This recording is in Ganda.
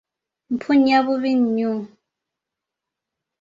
Mpunya, bubi nnyo.